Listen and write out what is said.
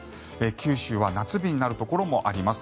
九州は夏日になるところもあります。